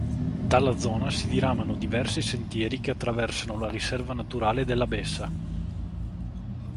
Dalla zona si diramano diversi sentieri che attraversano la riserva naturale della Bessa.